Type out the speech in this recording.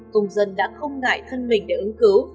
công dân đã không ngại thân mình để ứng cứu